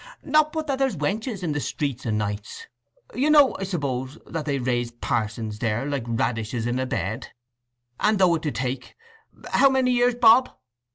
Not but there's wenches in the streets o' nights… You know, I suppose, that they raise pa'sons there like radishes in a bed? And though it do take—how many years, Bob?